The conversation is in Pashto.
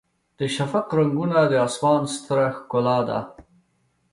د شفق رنګونه د اسمان ستره ښکلا ده.